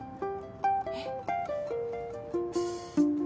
えっ？